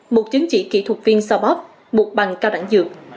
một chứng chỉ kỹ thuật viên sao bóp một bằng cao đẳng dược